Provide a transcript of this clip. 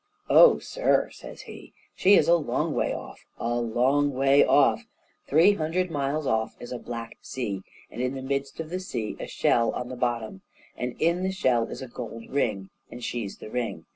"Oh, sir," says he, "she is a long way off, a long way off! Three hundred miles off is a black sea, and in the midst of the sea a shell on the bottom, and in the shell is a gold ring, and she's the ring.